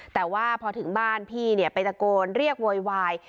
แต่ว่าพอถึงบ้านพี่ไปตะโกนเรียกโวยวาย